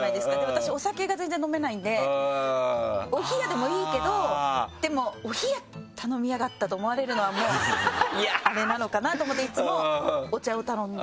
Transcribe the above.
私お酒が全然飲めないんでお冷でもいいけどでも「お冷頼みやがった」と思われるのはもうあれなのかなと思っていつもお茶を頼んでるっていう。